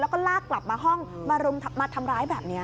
แล้วก็ลากกลับมาห้องมารุมมาทำร้ายแบบนี้